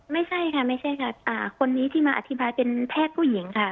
ไม่ใช่ค่ะไม่ใช่ค่ะคนนี้ที่มาอธิบายเป็นแพทย์ผู้หญิงค่ะ